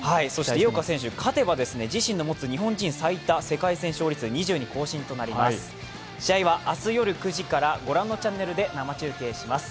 井岡選手、勝てば自身の持つ日本人最多世界戦勝利数２２に更新となります。